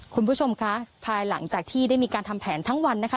คุณผู้ชมคะภายหลังจากที่ได้มีการทำแผนทั้งวันนะคะ